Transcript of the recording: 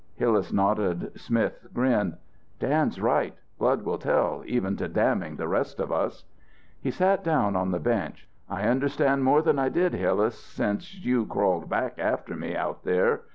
Hillas nodded, Smith grinned. "Dan's right. Blood will tell, even to damning the rest of us." He sat down on the bench. "I understand more than I did Hillas, since you crawled back after me out there.